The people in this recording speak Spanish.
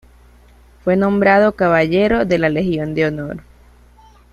Fue nombrado caballero de la Legión de Honor.